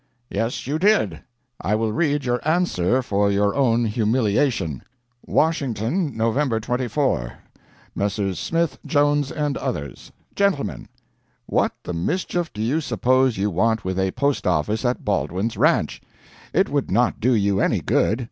"Yes, you did. I will read your answer for your own humiliation: 'WASHINGTON, Nov. 24 'Messrs. Smith, Jones, and others. 'GENTLEMEN: What the mischief do you suppose you want with a post office at Baldwin's Ranch? It would not do you any good.